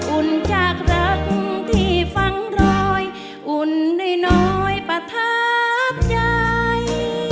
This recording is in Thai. อุ่นจากรักที่ฟังรอยอุ่นน้อยประทับใจ